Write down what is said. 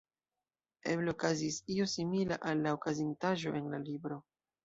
Eble okazis io simila al la okazintaĵo en la libro.